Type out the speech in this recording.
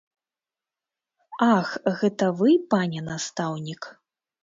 Ах, гэта вы, пане настаўнік!